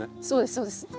そうですそうです。